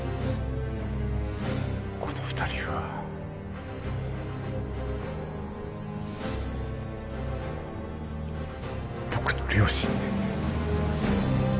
この二人は僕の両親です